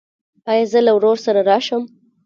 ایا زه له ورور سره راشم؟